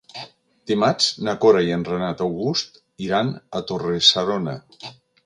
Dimarts na Cora i en Renat August iran a Torre-serona.